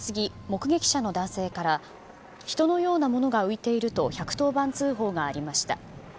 目撃者の男性から人のようなものが浮いていると１１０番通報がありました。